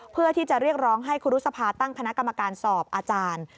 เพื่อที่จะเรียกร้องให้ครูรุษภาตั้งคณะกรรมการสอบอาจารย์